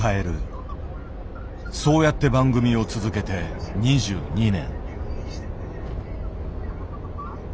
そうやって番組を続けて２２年。